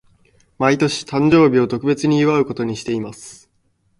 毎年、誕生日を特別に祝うことにしています。